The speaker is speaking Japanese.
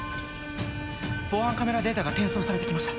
防犯カメラデータが転送されて来ました。